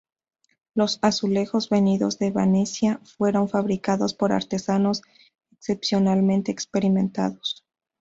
Los azulejos, venidos de Venecia, fueron fabricados por artesanos excepcionalmente experimentados.